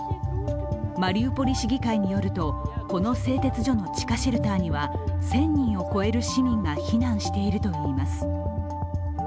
マリウポリ市議会によると、この製鉄所の地下シェルターには１０００人を超える市民が避難しているといいます。